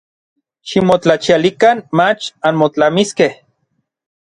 Ximotlachialikan mach anmotlamiskej.